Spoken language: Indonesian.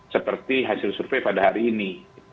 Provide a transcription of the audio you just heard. seperti hasil survei pada hari ini